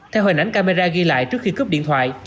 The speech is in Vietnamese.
theo hình ảnh camera ghi lại trước khi cướp điện thoại